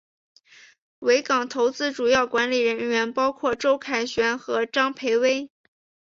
维港投资主要管理人员包括周凯旋和张培薇。